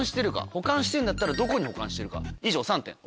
保管してるんだったらどこに保管してるか？